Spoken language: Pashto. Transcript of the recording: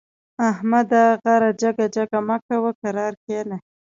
احمده! غره جګه جګه مه کوه؛ کرار کېنه.